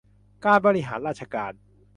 การบริหารราชการ